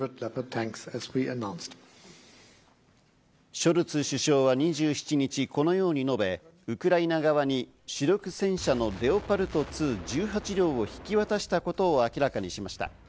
ショルツ首相は２７日、このように述べ、ウクライナ側に主力戦車の「レオパルト２」１８両を引き渡したことを明らかにしました。